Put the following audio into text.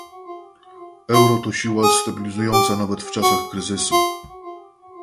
Euro to siła stabilizująca nawet w czasach kryzysu